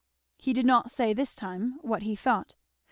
He did not say this time what he thought.